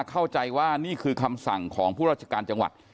เข้าใจว่านี่คือคำสั่งของผู้ราชการจังหวัด